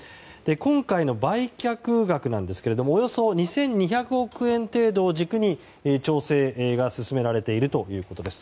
今回の売却額なんですがおよそ２２００億円程度を軸に調整が進められているということです。